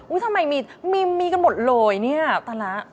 อุ๊ยทำไมมีกันหมดเลยเนี่ยตาละ